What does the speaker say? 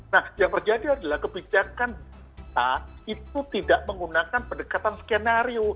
nah yang terjadi adalah kebijakan kita itu tidak menggunakan pendekatan skenario